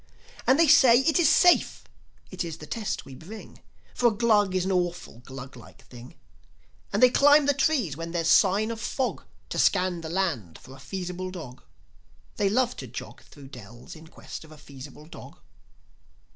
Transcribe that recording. And they say, "It is safe, it is the test we bring; For a Glug is an awful Gluglike thing. And they climb the trees when there's a sign of fog, To scan the land for a feasible dog. They love to jog Thro' dells in quest of a feasible dog."